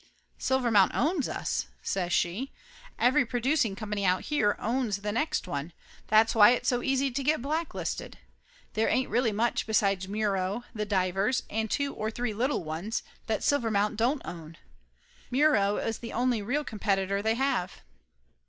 "Silvermount owns us," says she. "Every produc ing company out here owns the next one. That's why it's so easy to get blacklisted. There ain't really much beside Muro, The Divers and two or three little ones, that Silvermount don't own. Muro is the only real competitor they have."